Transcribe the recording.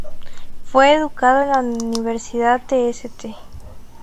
Fue educado en la universidad de St.